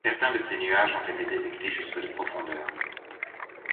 Certains de ces nuages ont été détectés jusque de profondeur.